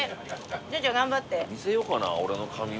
潤ちゃん頑張って。